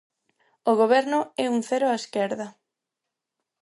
O Goberno é un cero á esquerda.